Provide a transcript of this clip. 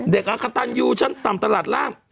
เด็กอักตันยูชั้นต่ำตลาดล่ะ